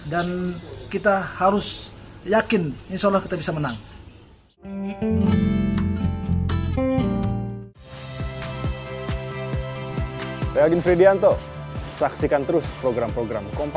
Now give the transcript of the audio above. dan kita harus yakin insya allah kita bisa menang